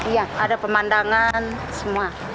iya ada pemandangan semua